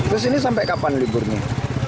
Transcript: terus ini sampai kapan liburnya